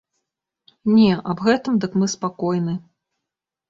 Не, аб гэтым дык мы спакойны.